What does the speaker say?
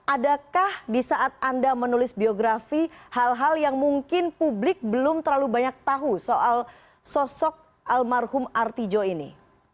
adakah di saat anda menulis biografi hal hal yang mungkin publik belum terlalu banyak tahu soal sosok almarhum artijo ini